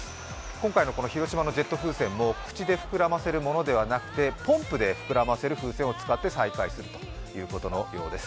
今回のこの広島のジェット風船も口で膨らませるものではなくてポンプで膨らませる風船を使って再開させるということのようです。